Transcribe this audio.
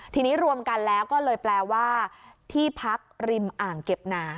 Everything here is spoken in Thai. ทีนี้รวมกันแล้วก็เลยแปลว่าที่พักริมอ่างเก็บหนา